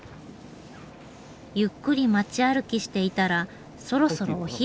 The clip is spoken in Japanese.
ゆっくり街歩きしていたらそろそろお昼。